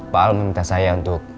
pak al meminta saya untuk